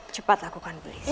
cepat lakukan please